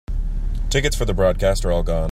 Tickets for the broadcast are all gone.